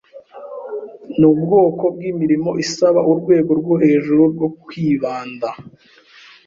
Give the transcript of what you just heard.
Nubwoko bwimirimo isaba urwego rwo hejuru rwo kwibanda.